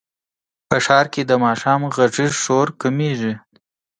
په ښار کې د ماښام غږیز شور کمېږي.